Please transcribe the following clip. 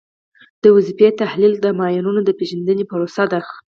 د وظیفې تحلیل د معیارونو د پیژندنې پروسه ده.